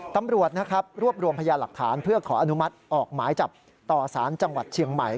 ตำรวจนะครับรวบรวมพยาหลักฐานเพื่อขออนุมัติออกหมายจับต่อสารจังหวัดเชียงใหม่